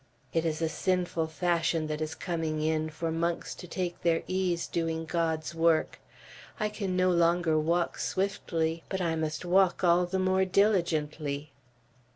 It is a sinful fashion that is coming in, for monks to take their ease doing God's work. I can no longer walk swiftly, but I must walk all the more diligently."